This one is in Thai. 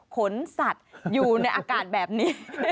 ขนสัตว์อยู่ในอากาศแบบนี้